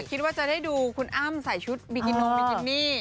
คิดว่าจะได้ดูคุณอ้ามใส่ชุดบิกินมี